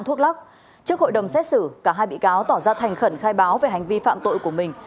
trước hội đồng xét xử cả hai bị cáo tỏ ra thành khẩn khai báo về hành vi phạm tội của mình